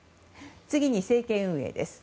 次に政権運営です。